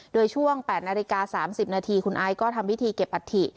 โดยช่วง๘นาฬิกา๓๐นาทีคุณไอซ์ก็ทำพิธีเก็บอัฐิ